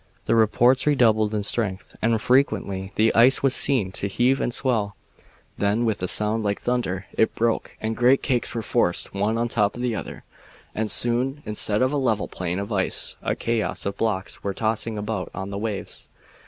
The reports redoubled in strength, and frequently the ice was seen to heave and swell. Then, with a sound like thunder, it broke and great cakes were forced one on the top of another, and soon, instead of a level plain of ice, a chaos of blocks were tossing about on the waves.